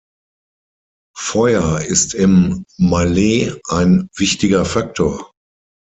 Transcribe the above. Feuer ist im Mallee ein wichtiger Faktor.